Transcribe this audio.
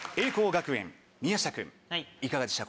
学園宮下君いかがでした？